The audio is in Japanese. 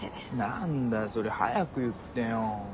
何だそれ早く言ってよ。